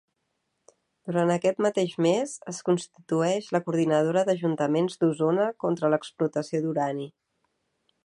Durant aquest mateix mes es constitueix la Coordinadora d'Ajuntaments d'Osona contra l'explotació d'urani.